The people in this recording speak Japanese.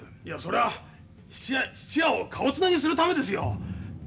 いやそれは質屋を顔つなぎするためですよ。